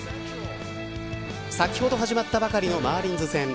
先ほど始まったばかりのマーリンズ戦。